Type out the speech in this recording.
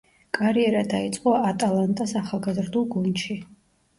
კარიერა დაიწყო „ატალანტას“ ახალგაზრდულ გუნდში.